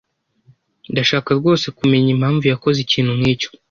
Ndashaka rwose kumenya impamvu yakoze ikintu nkicyo.